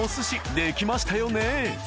できましたよね？］